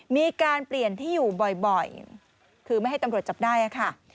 มีการเปลี่ยนที่อยู่บ่อยคือไม่ให้ตำรวจจับได้ค่ะ